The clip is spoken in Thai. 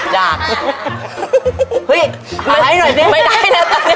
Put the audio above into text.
หายหน่อยสิ